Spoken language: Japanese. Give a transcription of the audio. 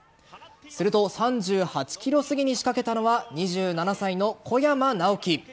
すると３８ｋｍすぎに仕掛けたのは、２７歳の小山直城。